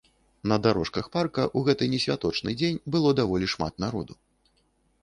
На дарожках парка ў гэты несвяточны дзень было даволі шмат народу.